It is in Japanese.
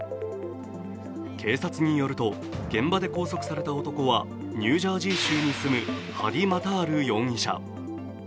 警察によると現場で拘束された男はニュージャージー州に住むハディ・マタール容疑者。